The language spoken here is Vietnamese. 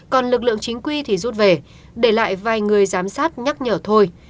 còn lực lượng chính quy thì rút về để lại vài người giám sát nhắc nhở thôi